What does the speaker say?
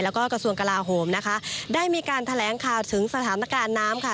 แล้วก็กระทรวงกลาโหมนะคะได้มีการแถลงข่าวถึงสถานการณ์น้ำค่ะ